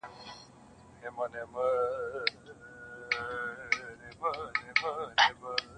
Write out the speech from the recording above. o دغه زرين مخ.